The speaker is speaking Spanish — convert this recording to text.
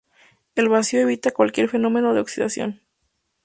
El vacío evita cualquier fenómeno de oxidación.